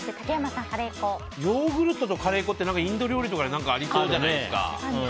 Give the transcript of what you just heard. ヨーグルトとカレー粉ってインド料理でありそうじゃないですか。